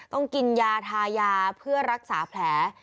ต้องกินยาทายาเพื่อรักษาแผล